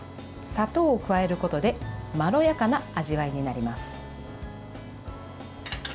砂糖を加えることでまろやかな味わいになります。